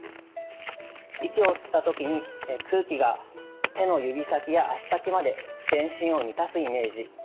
息を吸った時に空気が手の指先や足先まで全身を満たすイメージ。